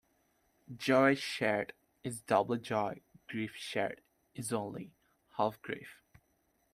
Joy shared is double joy; grief shared is only half grief.